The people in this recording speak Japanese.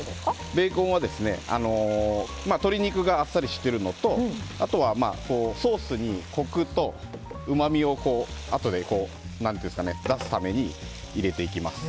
ベーコンは鶏肉があっさりしているのとソースにコクとうまみをあとで出すために入れていきます。